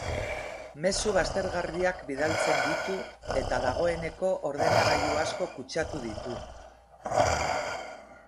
Mezu baztergarriak bidaltzen ditu eta dagoeneko ordenagailu asko kutsatu ditu.